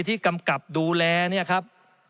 กำกับดูแลเนี่ยครับ